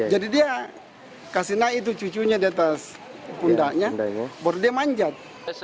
jadi dia kasih naik itu cucunya di atas pundaknya baru dia manjat